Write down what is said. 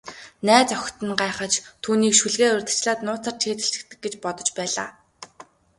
Найз охид нь гайхаж, түүнийг шүлгээ урьдчилаад нууцаар цээжилчихдэг гэж бодож байлаа.